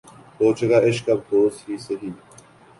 ہو چکا عشق اب ہوس ہی سہی